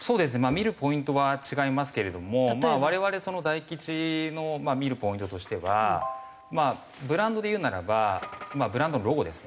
見るポイントは違いますけれども我々大吉の見るポイントとしてはブランドで言うならばブランドのロゴですね。